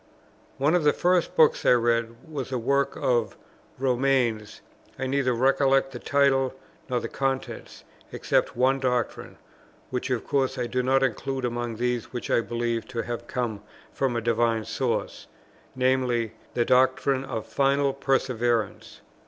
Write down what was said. One of the first books I read was a work of Romaine's; I neither recollect the title nor the contents, except one doctrine, which of course I do not include among those which I believe to have come from a divine source, viz. the doctrine of final perseverance.